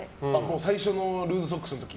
最初のルーズソックスの時？